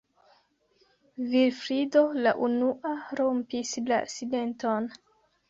Vilfrido la unua rompis la silenton.